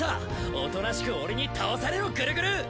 おとなしく俺に倒されろグルグル！